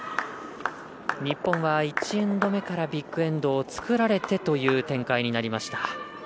日本は１エンド目からビッグエンドを作られてという展開になりました。